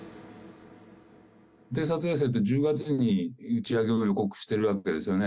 偵察衛星って、１０月に打ち上げを予告してるわけですよね。